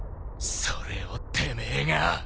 それをてめえが。